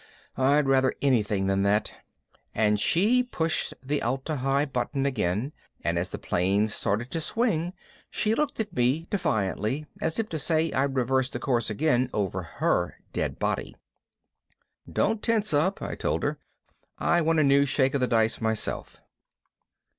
I'd rather anything than that." And she pushed the Atla Hi button again and as the plane started to swing she looked at me defiantly as if to say I'd reverse the course again over her dead body. "Don't tense up," I told her. "I want a new shake of the dice myself."